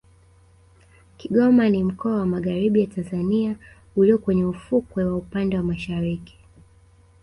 Kigoma ni mkoa wa Magharibi ya Tanzania ulio kwenye ufukwe wa upande wa Mashariki